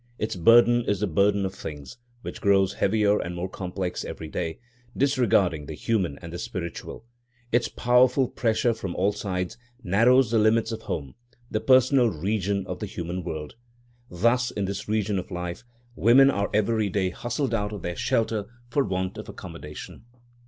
Its burden is the burden of things, which grows heavier and more complex every day, disregarding the human and the spiritual. Its powerful pressure from all sides narrows the limits of home, the personal region of the human world. Thus, in this region of life, women are every day hustled out of their shelter for want of accommodation.